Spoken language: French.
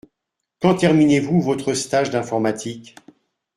Quand terminez-vous votre stage d’informatique ?